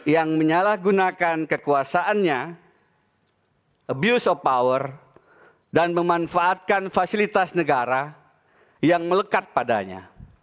yang menyalahgunakan kekuasaannya abuse of power dan memanfaatkan fasilitas negara yang melekat padanya